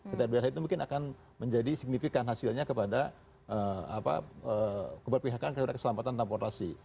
ketika di daerah itu mungkin akan menjadi signifikan hasilnya kepada keberpihakan keselamatan transportasi